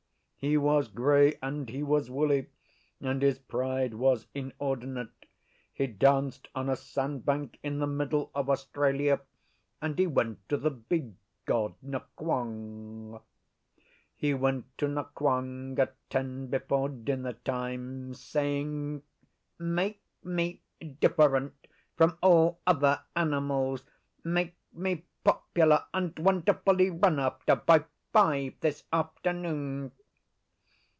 He was grey and he was woolly, and his pride was inordinate: he danced on a sandbank in the middle of Australia, and he went to the Big God Nqong. He went to Nqong at ten before dinner time, saying, 'Make me different from all other animals; make me popular and wonderfully run after by five this afternoon.